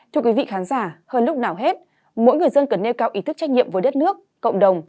thưa quý vị khán giả hơn lúc nào hết mỗi người dân cần nêu cao ý thức trách nhiệm với đất nước cộng đồng